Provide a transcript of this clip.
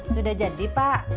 sudah jadi pak